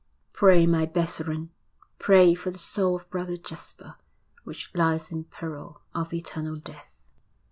'Pray, my brethren, pray for the soul of Brother Jasper, which lies in peril of eternal death.'